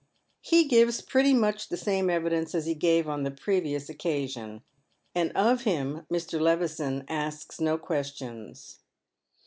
He gives pretty much the same evidence as he gave on the previous occasion ; and of him Mr. Levison asks no questions.